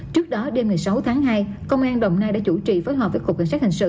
trước đó đêm một mươi sáu tháng hai công an đồng nai đã chủ trì phối hợp với cục cảnh sát hình sự